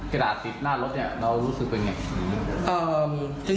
กระดาษติดหน้ารถเนี่ยเรารู้สึกเป็นไง